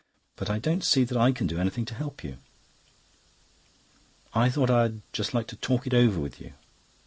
"But I don't see that I can do anything to help you." "I thought I'd just like to talk it over with you."